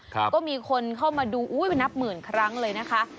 ก็มีคนเข้ามาดูอุ้ยไปนับหมื่นครั้งเลยนะคะ